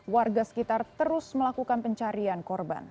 warga sekitar terus melakukan pencarian korban